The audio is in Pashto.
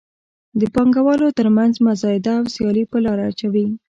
د پانګوالو تر مینځ مزایده او سیالي په لاره اچوي.